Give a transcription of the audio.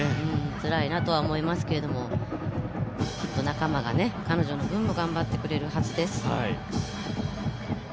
つらいなとは思いますけど、きっと仲間が彼女の分も頑張ってくれるはずです。